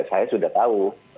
saya sudah tahu